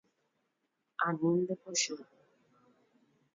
Ani ndepochy.